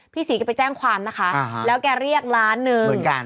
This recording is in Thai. พี่ศรีก็ไปแจ้งความนะคะแล้วแกเรียกล้านหนึ่ง